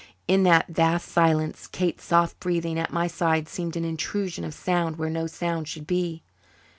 In that vast silence Kate's soft breathing at my side seemed an intrusion of sound where no sound should be.